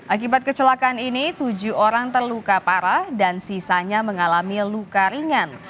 akibat kecelakaan ini tujuh orang terluka parah dan sisanya mengalami luka ringan